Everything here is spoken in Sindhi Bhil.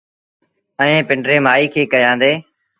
ائيٚݩ پنڊريٚ مآئيٚ کي ڪهيآندي۔